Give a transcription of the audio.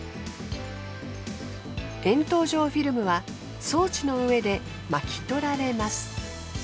円筒状フィルムは装置の上で巻き取られます。